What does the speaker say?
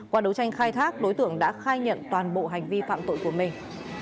qua đấu tranh khai thác đối tượng đã khai nhận toàn bộ hành vi phạm tội của mình